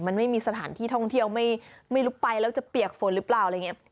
มันไม่มีสถานที่ท่องเที่ยวไม่รู้ไปแล้วจะเปียกฝนหรือเปล่าอะไรอย่างนี้